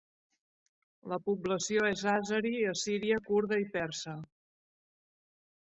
La població és àzeri, assíria, kurda i persa.